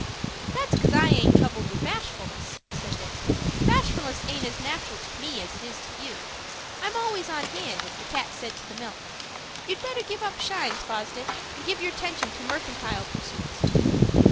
"That's cause I aint troubled with bashfulness," said Dick. "Bashfulness aint as natural to me as it is to you. I'm always on hand, as the cat said to the milk. You'd better give up shines, Fosdick, and give your 'tention to mercantile pursuits."